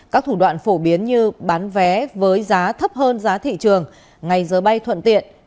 các thủ đoạn phổ biến như bán vé với giá thấp hơn giá thị trường ngày giờ bay thuận tiện